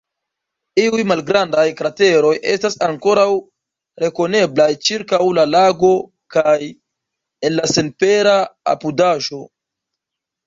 Iuj malgrandaj krateroj estas ankoraŭ rekoneblaj ĉirkaŭ la lago kaj en la senpera apudaĵo.